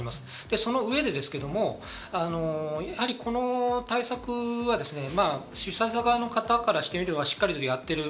その上でですけど、やはりこの対策は主催者側の方からしてみれば、しっかりとやっている。